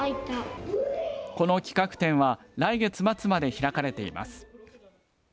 この企画展は来月末まで開かれています。